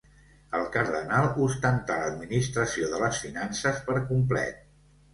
El cardenal ostentà l'administració de les finances per complet.